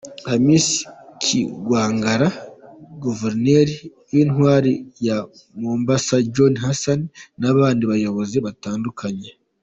Hamis Kigwangalla, Guverineri w’Intara ya Mombasa Joho Hassan n’abandi bayobozi batandukanye.